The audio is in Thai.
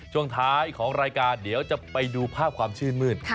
ช่วงท้ายของรายการเดี๋ยวจะไปดูภาพความชื่นมืด